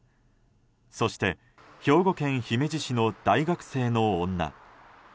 そして兵庫県姫路市の大学生の女。